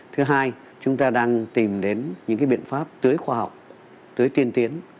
thứ hai chúng ta đang tìm đến những biện pháp tưới khoa học tưới tiên tiến